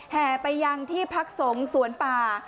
แห่ไปยังที่พักสงฆ์สวนป่า